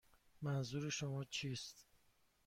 منظور شما چیست؟